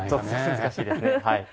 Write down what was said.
難しいですね。